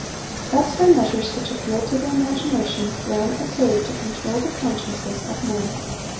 Thus by measures which appealed to the imagination, Rome essayed to control the consciences of men.